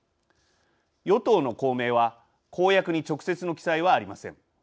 与党の公明は公約に直接の記載はありません。